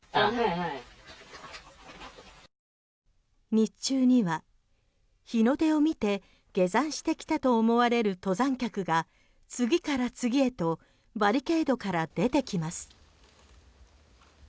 日中には日の出を見て下山してきたと思われる登山客が次から次へとバリケードから出てきます。